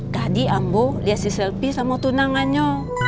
tadi ambo liat si selfie sama tunangannya